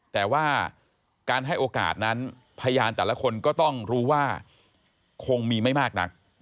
แต่ว่าการให้โอกาสนั้นพยานแต่ละคนก็ต้องรู้ว่าคงมีไม่มากนัก